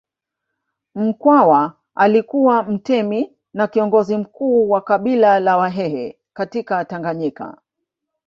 Mkwawa alikuwa mtemi na kiongozi mkuu wa kabila la Wahehe katika Tanganyika